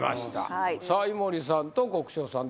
はいさあ井森さんと国生さん